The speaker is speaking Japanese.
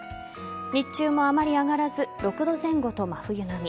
日中も、あまり上がらず６度前後と真冬並み。